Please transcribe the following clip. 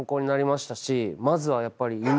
まずはやっぱり。